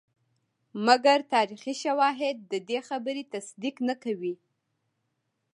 مګر تاریخي شواهد ددې خبرې تصدیق نه کوي.